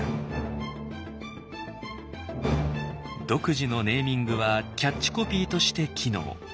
独自のネーミングはキャッチコピーとして機能。